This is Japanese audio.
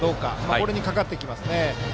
これにかかってきます。